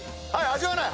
味わわない。